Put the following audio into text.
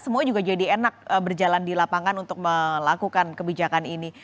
semua juga jadi enak berjalan di lapangan untuk melakukan kebijakan ini